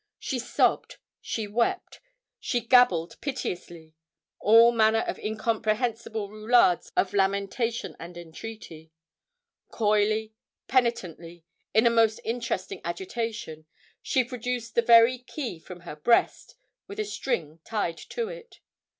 She sobbed, she wept, she gabbled piteously, all manner of incomprehensible roulades of lamentation and entreaty; coyly, penitently, in a most interesting agitation, she produced the very key from her breast, with a string tied to it.